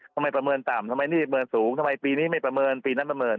ประเมินต่ำทำไมนี่เมินสูงทำไมปีนี้ไม่ประเมินปีนั้นประเมิน